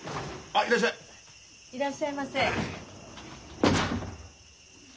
いらっしゃいませ。